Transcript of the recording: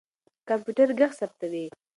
کمپيوټر ږغ ثبتوي.